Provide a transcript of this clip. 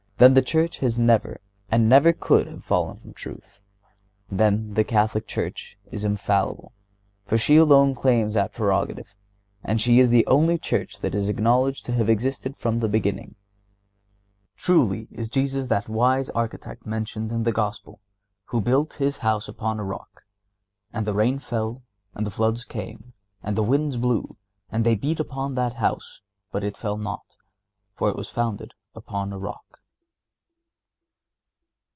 —then the Church never has and never could have fallen from the truth; then the Catholic Church is infallible, for she alone claims that prerogative, and she is the only Church that is acknowledged to have existed from the beginning. Truly is Jesus that wise Architect mentioned in the Gospel, "who built his house upon a rock; and the rain fell, and the floods came, and the winds blew, and they beat upon that house, and it fell not, for it was founded upon a rock."